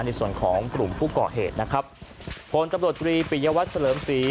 ในส่วนของกลุ่มผู้ก่อเหตุนะครับผลจับโหลดกรีปิญญาวัฏเฉลิมสี